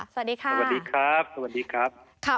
สวัสดีค่ะ